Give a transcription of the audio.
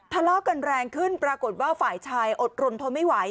ทะเลาะกันแรงขึ้นปรากฏว่าฝ่ายชายอดรนทนไม่ไหว